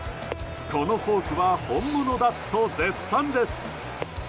このフォークは本物だと絶賛です。